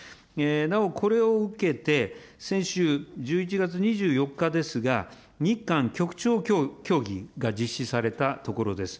なおこれを受けて、先週、１１月２４日ですが、日韓局長協議が実施されたところです。